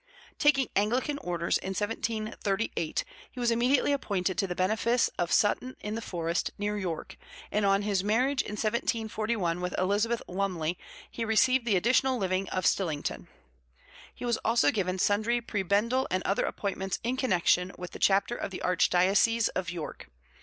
Taking Anglican orders in 1738, he was immediately appointed to the benefice of Sutton in the Forest, near York, and on his marriage in 1741 with Elizabeth Lumley he received the additional living of Stillington. He was also given sundry prebendal and other appointments in connection with the chapter of the archdiocese of York.